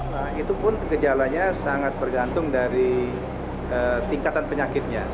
nah itu pun gejalanya sangat bergantung dari tingkatan penyakitnya